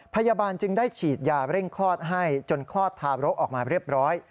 พยาบาลจึงได้ฉีดยาเร่งคลอดให้จนคลอดทารกออกมาเรียบร้อย